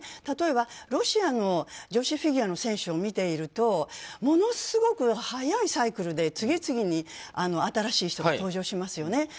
例えば、ロシアの女子フィギュアの選手を見ているとものすごく早いサイクルで次々に新しい人が登場しますよね。